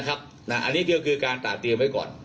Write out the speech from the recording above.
อันนี้ก็คือการตาเตรียมไว้ก่อน